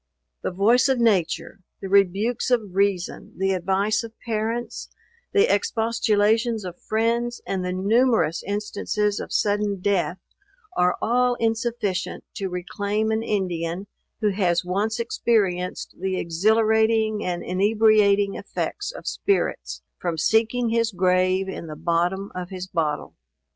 The voice of nature, the rebukes of reason, the advice of parents, the expostulations of friends, and the numerous instances of sudden death, are all insufficient to reclaim an Indian, who has once experienced the exhilarating and inebriating effects of spirits, from seeking his grave in the bottom of his bottle!